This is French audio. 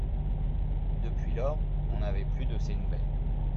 Depuis lors, on n'avait plus de ses nouvelles.